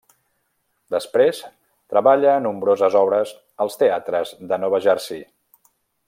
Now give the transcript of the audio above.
Després treballa a nombroses obres als teatres de Nova Jersey.